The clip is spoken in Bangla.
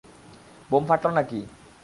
বোমা ফাটলো নাকি?